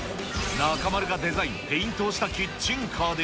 中丸がデザイン、ペイントをしたキッチンカーで。